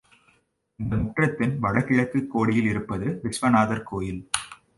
இந்த முற்றத்தின் வடகிழக்குக் கோடியில் இருப்பது விஸ்வநாதர் கோயில்.